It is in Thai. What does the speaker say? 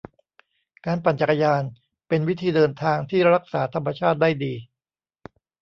การปั่นจักรยานเป็นวิธีเดินทางที่รักษาธรรมชาติได้ดี